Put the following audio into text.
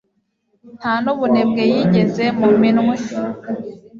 Nta n' ubunebwe yigeze mu minwe;